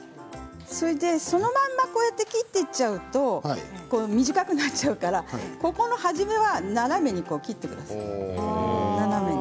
そのまま切っていっちゃうと短くなっちゃうので初めは斜めに切ってください。